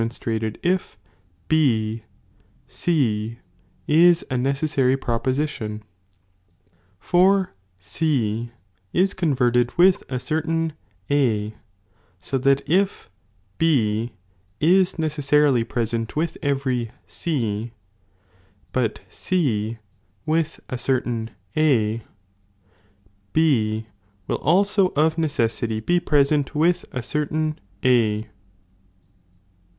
nionatrated if B Cis a necessary (proposition), for C is converted with a certain A, so that if B is necessarily present with every C, (but C with a certain A,) B will also of necessity be present with a certain A.